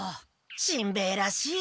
しんべヱらしい。